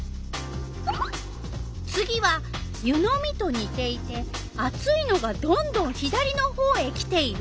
次は「ゆ飲みとにていて熱いのがどんどん左の方へきている」。